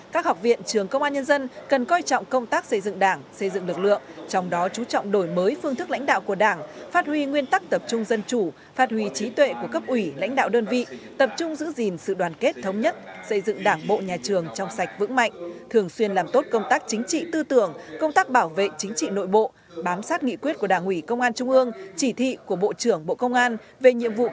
các học viện trường công an nhân dân cần coi trọng công tác xây dựng đảng xây dựng lực lượng trong đó chú trọng đổi mới phương thức lãnh đạo của đảng phát huy nguyên tắc tập trung dân chủ phát huy trí tuệ của cấp ủy lãnh đạo đơn vị tập trung giữ gìn sự đoàn kết thống nhất xây dựng đảng bộ nhà trường trong sạch vững mạnh thường xuyên làm tốt công tác chính trị tư tưởng công tác bảo vệ chính trị nội bộ bám sát nghị quyết của đảng ủy công an trung ương chỉ thị của bộ trưởng bộ công an về nhiệm v